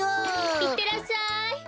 いってらっしゃい。